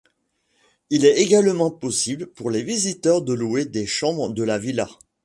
Il est également possible pour les visiteurs de louer des chambres de la villa.